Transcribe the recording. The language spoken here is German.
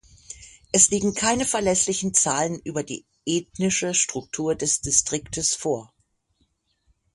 Es liegen keine verlässlichen Zahlen über die ethnische Struktur des Distriktes vor.